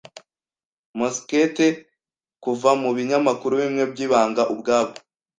musket kuva mubinyamakuru bimwe byibanga ubwabo.